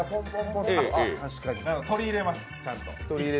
あっ、取り入れます、ちゃんと。